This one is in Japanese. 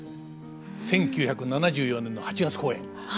１９７４年の８月公演。